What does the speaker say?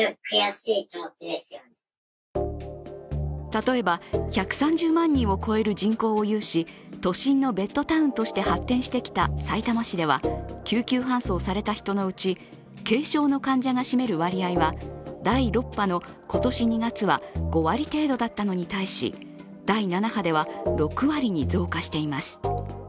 例えば１３０万人を超える人口を有し都心のベッドタウンとして発展してきた、さいたま市では救急搬送された人のうち軽症の患者が占める割合は第６波の今年２月は５割程度だったのに対し第７波では６割に増加しています。